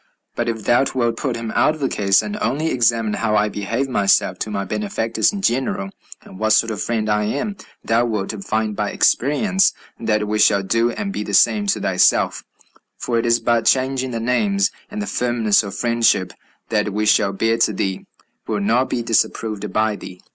But if thou wilt put him out of the case, and only examine how I behave myself to my benefactors in general, and what sort of friend I am, thou wilt find by experience that we shall do and be the same to thyself, for it is but changing the names, and the firmness of friendship that we shall bear to thee will not be disapproved by thee."